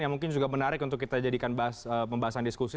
yang mungkin juga menarik untuk kita jadikan pembahasan diskusi